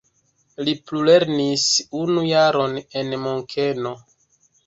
Li plulernis unu jaron en Munkeno.